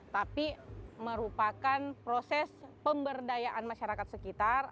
tapi merupakan proses pemberdayaan masyarakat sekitar